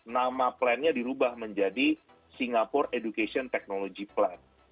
nama plannya dirubah menjadi singapore education technology plan